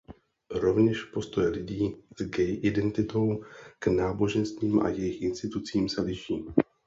Rovněž postoje lidí s gay identitou k náboženstvím a jejich institucím se liší.